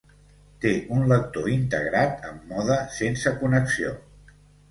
Té un lector integrat amb mode sense connexió.